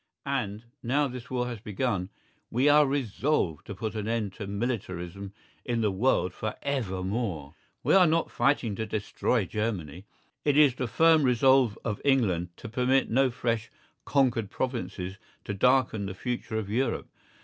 And, now this war has begun, we are resolved to put an end to militarism in the world for evermore. We are not fighting to destroy Germany; it is the firm resolve of England to permit no fresh "conquered provinces" to darken the future of Europe.